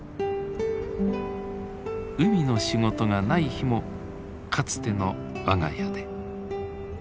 海の仕事がない日もかつての我が家で。